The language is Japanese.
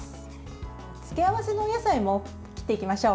付け合わせのお野菜も切っていきましょう。